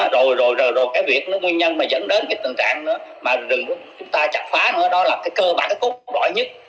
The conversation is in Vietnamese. rồi cái việc nguyên nhân mà dẫn đến cái tình trạng mà rừng chúng ta chặt phá nữa đó là cái cơ bản cốt đội nhất